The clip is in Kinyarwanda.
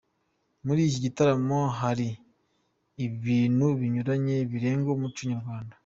Muri iki gitaramo hari ibintu binyuranye biranga umuco nyarwanda.